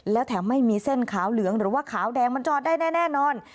แล้วแถมไม่มีเส้นขาวเหลืองหรือว่าขาวแดงมันจอดได้แน่นอน